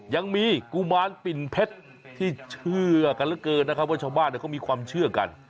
ยังมีกุมารปิ่นเพชรที่เชื่อกันเหลือเกินนะครับว่าชาวบ้านเขามีความเชื่อกัน